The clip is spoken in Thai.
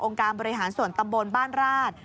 การบริหารส่วนตำบลบ้านราช